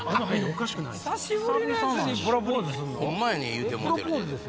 言うてもうてるで。